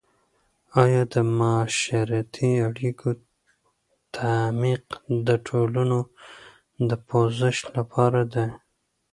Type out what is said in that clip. آیا د معاشرتي اړیکو تعمیق د ټولنو د پوزش لپاره دی؟